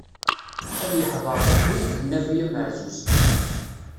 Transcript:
Ad yeḥḍer Ṛebbi, d Nnabi amaɛzuz.